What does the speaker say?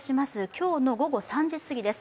今日の午後３時すぎです。